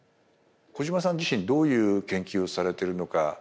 小嶋さん自身どういう研究をされてるのか。